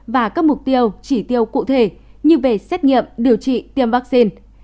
và các mục tiêu chỉ tiêu cụ thể như về xét nghiệm điều trị tiêm vaccine